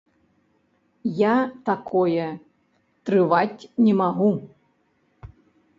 Я такое трываць не магу.